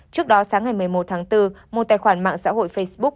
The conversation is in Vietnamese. trước đó sáng ngày một mươi một tháng bốn một tài khoản mạng xã hội facebook